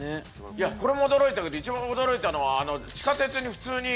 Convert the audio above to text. これも驚いたけど一番驚いたのは。に普通に。